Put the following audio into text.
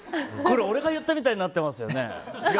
俺が言ったみたいになってますよね。